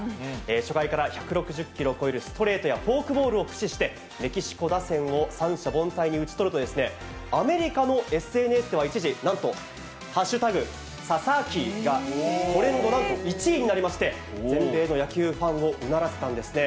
初回から１６０キロを超えるストレートやフォークボールを駆使して、メキシコ打線を三者凡退に打ち取ると、アメリカのＳＮＳでは一時、なんと＃ササキがトレンド、なんと１位になりまして、全米の野球ファンをうならせたんですね。